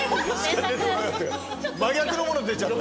真逆のもの出ちゃった。